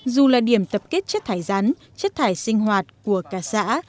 dù là điểm tập kết chất thải rắn chất thải sinh hoạt của cả xã